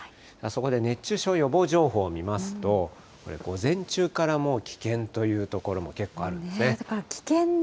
そこで熱中症予防情報を見ますと、これ、午前中から、もう危険という所も結構あるんですね。